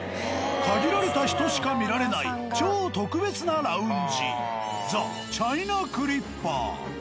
限られた人しか見られない超特別なラウンジザ・チャイナクリッパー。